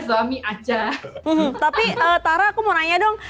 kalau misalnya tara tuh sebelumnya sudah pernah punya mama